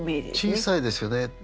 小さいですよね。